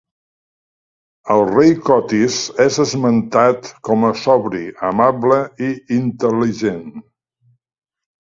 El rei Cotis és esmentat com a sobri, amable i intel·ligent.